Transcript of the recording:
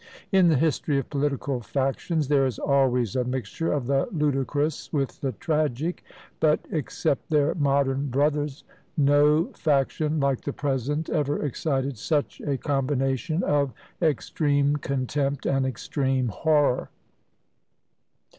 In the history of political factions there is always a mixture of the ludicrous with the tragic; but, except their modern brothers, no faction like the present ever excited such a combination of extreme contempt and extreme horror.